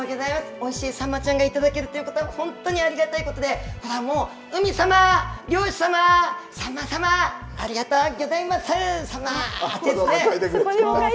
おいしいサンマちゃんが頂けるということは本当にありがたいことで、もう、海様、漁師様、サンマ様、ありがとうギョざいます、サンマ、ですね。